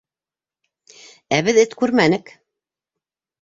Ә беҙ эт күрмәнек.